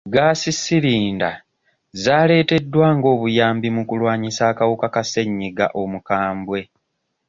Ggaasi siirinda zaaleeteddwa ng'obuyambi mu kulwanyisa akawuka ka ssenyiga omukambwe.